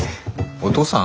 お父さん？